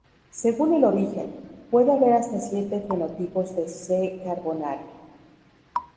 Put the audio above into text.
Según el origen, puede haber hasta siete "fenotipos" de "C. carbonaria".